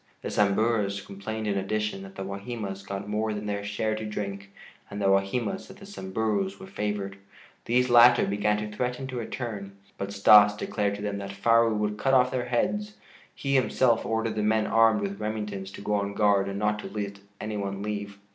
The Samburus complained in addition that the Wahimas got more than their share to drink, and the Wahimas that the Samburus were favored. These latter began to threaten to return, but Stas declared to them that Faru would cut off their heads. He himself ordered the men armed with Remingtons to go on guard and not let any one leave.